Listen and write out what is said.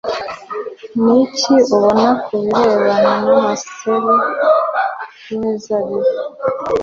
Ni iki ubona ku birebana n amaseri y imizabibu